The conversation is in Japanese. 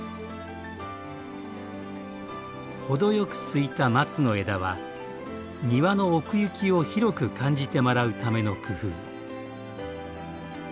程よくすいた松の枝は庭の奥行きを広く感じてもらうための工夫。